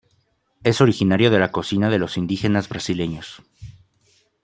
Es originario de la cocina de los indígenas brasileños.